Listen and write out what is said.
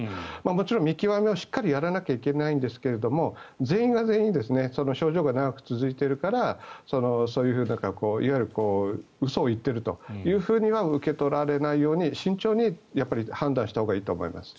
もちろん見極めはしっかりやらなければいけないんですが全員が全員症状が長く続いているからそういうふうな、いわゆる嘘を言っているというふうには受け取られないように慎重に判断したほうがいいと思います。